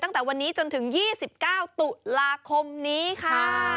ตั้งแต่วันนี้จนถึง๒๙ตุลาคมนี้ค่ะ